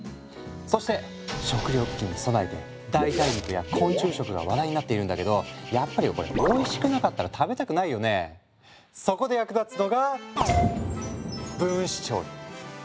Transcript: そして食糧危機に備えて代替肉や昆虫食が話題になっているんだけどやっぱりこれそこで役立つのが分子調理。